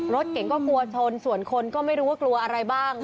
รถเก่งก็กลัวชนส่วนคนก็ไม่รู้ว่ากลัวอะไรบ้าง